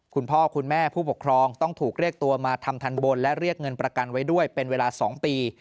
คุณพ่อคุณแม่ผู้ปกครองต้องถูกเรียกตัวมาทำทันบนและเรียกเงินประกันไว้ด้วยเป็นเวลา๒ปี